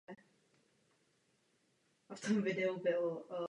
Myslím, že mlčení Komise je velmi výmluvné.